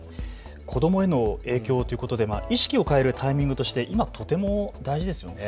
子どもへの影響ということで意識を変えるタイミングとして今、とても大事ですよね。